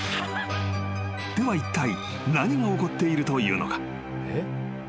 ［ではいったい何が起こっているというのか？］